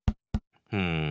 うん。